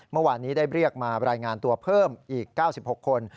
เมื่อวานนี้ได้เรียกมารายงานตัวเพิ่มอีก๙๖คน